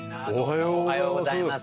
どうもおはようございます。